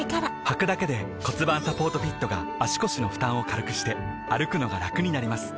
はくだけで骨盤サポートフィットが腰の負担を軽くして歩くのがラクになります